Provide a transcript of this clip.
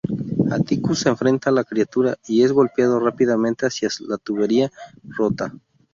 Atticus enfrenta a la criatura y es golpeado rápidamente hacia la tubería rota.